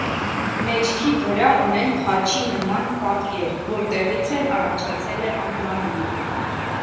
Մեջքի վրա ունեն խաչի նման պատկեր, որտեղից էլ առաջացել է անվանումը։